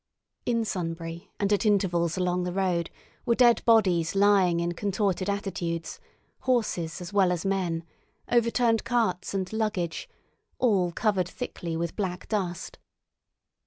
In Sunbury, and at intervals along the road, were dead bodies lying in contorted attitudes, horses as well as men, overturned carts and luggage, all covered thickly with black dust.